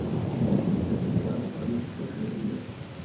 Dejó un extenso legado para la posteridad.